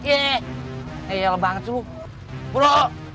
eyal banget sih lu bro